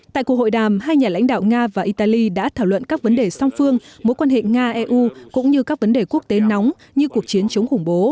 tại cuộc hội đàm hai nhà lãnh đạo nga và italy đã thảo luận các vấn đề song phương mối quan hệ nga eu cũng như các vấn đề quốc tế nóng như cuộc chiến chống khủng bố